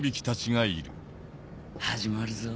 始まるぞ。